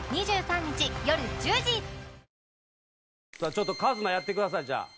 ちょっとＫＡＭＡやってくださいじゃあ。